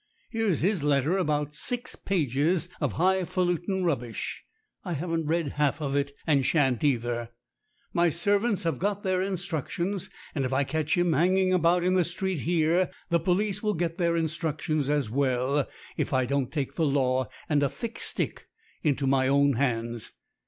Here's his letter about six pages of high falutin rubbish. I haven't read half of it, and shan't either. My servants have got their instructions, and if I catch him hanging about in the street here, the police will get their instructions as well if I don't take the law and a thick stick into my own hands."